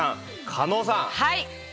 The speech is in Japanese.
加納さん。